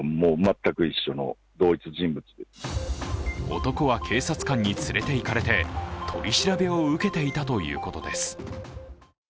男は警察官に連れていかれて取り調べを受けていたということです。